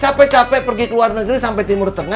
capek capek pergi ke luar negeri sampai timur tengah